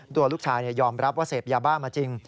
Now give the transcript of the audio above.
ตัวลูกชายยอมรับว่าเสพยาบ้ามาจริง